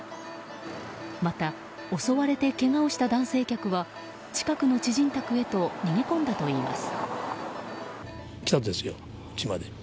また襲われてけがをした男性客は近くの知人宅へと逃げ込んだといいます。